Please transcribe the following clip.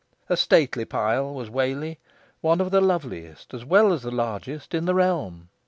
A stately pile was Whalley one of the loveliest as well as the largest in the realm.